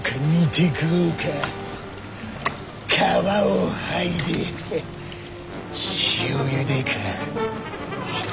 皮を剥いで塩ゆでか。